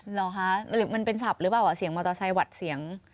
เหรอคะมันเป็นศัพท์หรือเปล่าเสียงมอเตอร์ไซค์หวัดเสียง